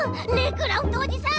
クラフトおじさん。